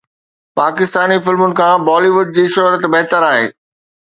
پاڪستاني فلمن کان Bollywood جي شهرت بهتر آهي